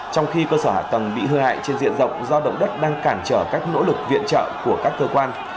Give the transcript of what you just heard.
trong khi cơ sở hạ tầng bị hư hại trên diện rộng do động đất đang cản trở các nỗ lực viện trợ của các cơ quan